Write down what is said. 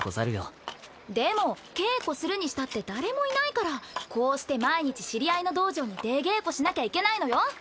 でも稽古するにしたって誰もいないからこうして毎日知り合いの道場に出稽古しなきゃいけないのよ。